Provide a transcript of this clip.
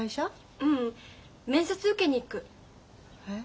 ううん面接受けに行く。え？